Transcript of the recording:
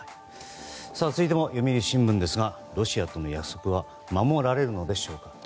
続いても読売新聞、ロシアとの約束は守られるのでしょうか。